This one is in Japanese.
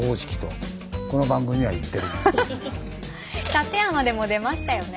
館山でも出ましたよね。